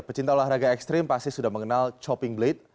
pecinta olahraga ekstrim pasti sudah mengenal chopping blade